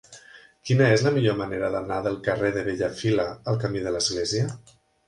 Quina és la millor manera d'anar del carrer de Bellafila al camí de l'Església?